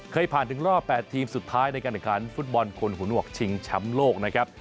เคยผ่านถึงรอบ๘ทีมสุดท้ายในการแข่งขันฟุตบอลคนหูหนวกชิงแชมป์โลกนะครับ